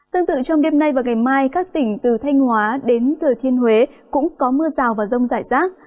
tương tự trong đêm nay và ngày mai các tỉnh từ thanh hóa đến thừa thiên huế cũng có mưa rào và rông rải rác